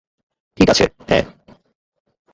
ঠিক আছে, হ্যাঁ।